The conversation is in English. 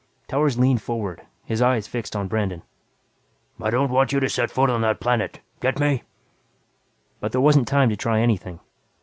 Towers leaned forward, his eyes fixed on Brandon. "I don't want you to set foot on that planet, get me?" But there wasn't time to try anything.